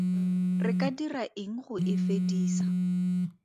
Re ka dira eng go e fedisa?